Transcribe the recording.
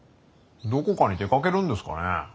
どこかに出かけるんですかね。